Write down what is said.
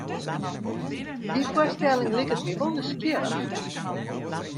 Dy foarstelling liket my wol nijsgjirrich.